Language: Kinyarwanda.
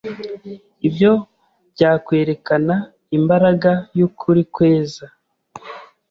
ibyo byakwerekana imbaraga y’ukuri kweza,